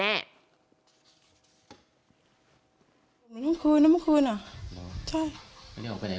เมื่อวานหลังจากโพดำก็ไม่ได้ออกไปไหน